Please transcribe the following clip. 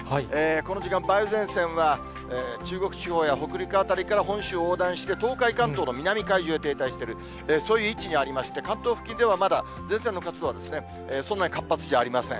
この時間、梅雨前線は中国地方や北陸辺りから本州を横断して、東海、関東の南海上に停滞している、そういう位置にありまして、関東付近ではまだ前線の活動はそんなに活発じゃありません。